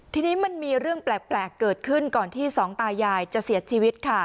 ทีนี้มันมีเรื่องแปลกเกิดขึ้นก่อนที่สองตายายจะเสียชีวิตค่ะ